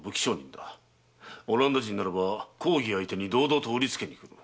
オランダ人ならば公儀相手に堂々と売りつける。